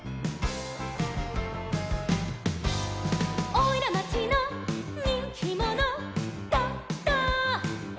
「おいらまちのにんきもの」「ドド」